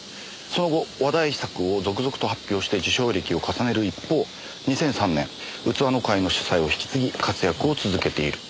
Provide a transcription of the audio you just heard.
「その後話題作を続々と発表して受賞歴を重ねる一方２００３年器の会の主宰を引き継ぎ活躍を続けている」